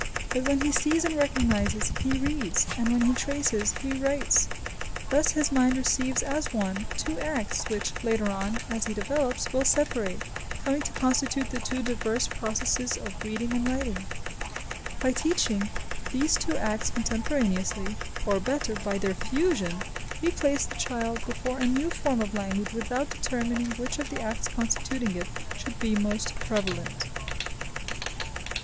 But when he sees and recognises, he reads; and when he traces, he writes. Thus his mind receives as one, two acts, which, later on, as he develops, will separate, coming to constitute the two diverse processes of reading and writing. By teaching these two acts contemporaneously, or, better, by their fusion, we place the child before a new form of language without determining which of the acts constituting it should be most prevalent.